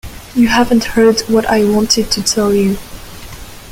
You haven't heard what I wanted to tell you.